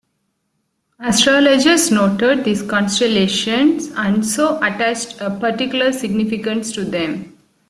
Astrologers noted these constellations and so attached a particular significance to them.